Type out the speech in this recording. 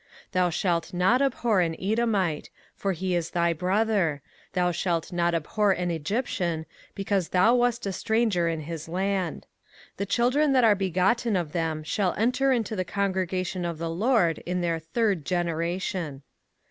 05:023:007 Thou shalt not abhor an Edomite; for he is thy brother: thou shalt not abhor an Egyptian; because thou wast a stranger in his land. 05:023:008 The children that are begotten of them shall enter into the congregation of the LORD in their third generation.